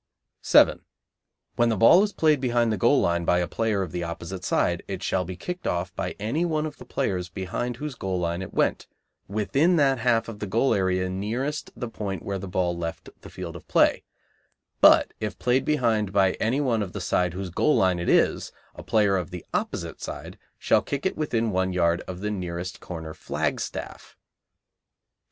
7. When the ball is played behind the goal line by a player of the opposite side, it shall be kicked off by any one of the players behind whose goal line it went, within that half of the goal area nearest the point where the ball left the field of play; but if played behind by any one of the side whose goal line it is, a player of the opposite side shall kick it within one yard of the nearest corner flagstaff[B].